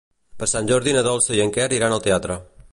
Per Sant Jordi na Dolça i en Quer iran al teatre.